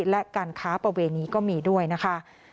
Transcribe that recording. และการค้าประเวณีก็มีด้วยนะคะ